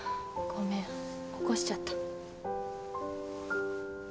ごめん起こしちゃった。